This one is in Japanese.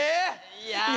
いや。